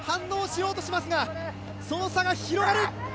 懸命に設楽も反応しようとしますが、その差が広がる。